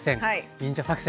「忍者作戦！」。